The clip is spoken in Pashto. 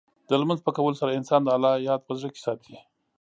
د لمونځ په کولو سره، انسان د الله یاد په زړه کې ساتي.